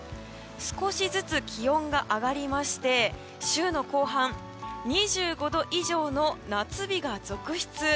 少しずつ気温が上がりまして週の後半２５度以上の夏日が続出。